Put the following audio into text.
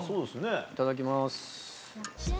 いただきます。